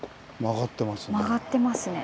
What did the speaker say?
曲がってますね。